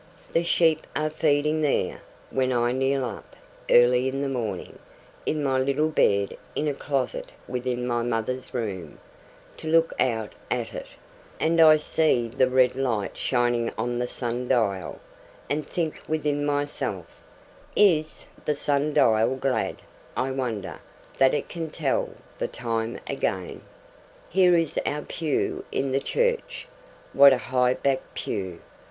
The sheep are feeding there, when I kneel up, early in the morning, in my little bed in a closet within my mother's room, to look out at it; and I see the red light shining on the sun dial, and think within myself, 'Is the sun dial glad, I wonder, that it can tell the time again?' Here is our pew in the church. What a high backed pew!